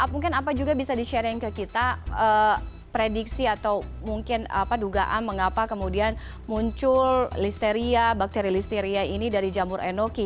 mungkin apa juga bisa di sharing ke kita prediksi atau mungkin dugaan mengapa kemudian muncul listeria bakteri listeria ini dari jamur enoki